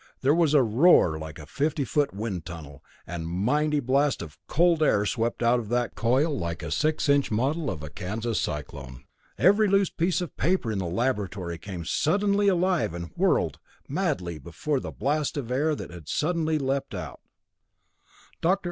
There was a roar like a fifty foot wind tunnel, and a mighty blast of cold air swept out of that coil like a six inch model of a Kansas cyclone. Every loose piece of paper in the laboratory came suddenly alive and whirled madly before the blast of air that had suddenly leaped out. Dr.